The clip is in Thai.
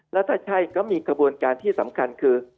แล้วถ้าใช่ก็มีขบวนการที่สำคัญคือ